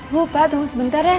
bupa tunggu sebentar ya